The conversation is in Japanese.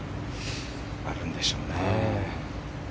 あるんでしょうね。